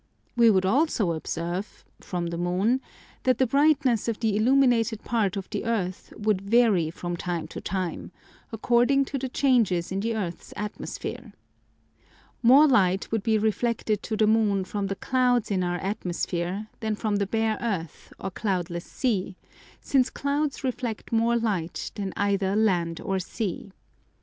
We would also observe (from the moon) that the brightness of the illuminated part of the earth would vary from time to time, according to the changes in the earth's atmosphere. More light would be reflected to the moon from the clouds in our atmosphere than from the bare earth or cloudless sea, since clouds reflect more light than either land or sea.